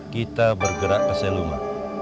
kita bergerak ke seluma